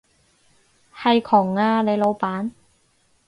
係窮啊，你老闆